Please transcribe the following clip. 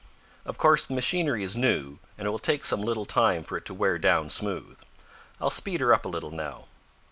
"Of course the machinery is new, and it will take some little time for it to wear down smooth. I'll speed her up a little now."